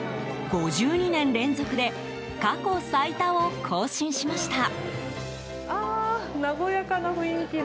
５２年連続で過去最多を更新しました。